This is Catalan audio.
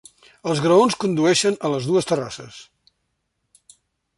Els graons condueixen a les dues terrasses.